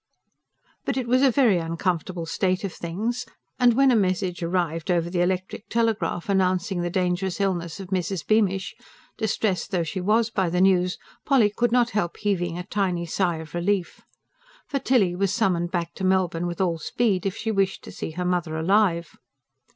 But it was a very uncomfortable state of things; and when a message arrived over the electric telegraph announcing the dangerous illness of Mrs. Beamish, distressed though she was by the news, Polly could not help heaving a tiny sigh of relief. For Tilly was summoned back to Melbourne with all speed, if she wished to see her mother alive.